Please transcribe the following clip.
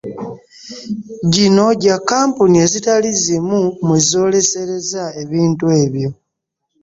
Gino gya kkampuni ezitali zimu mwe zooleserezza ebintu ebyo